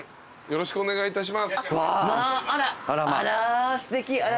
よろしくお願いします。